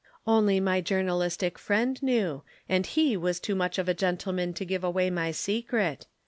Only my journalistic friend knew; and he was too much of a gentleman to give away my secret.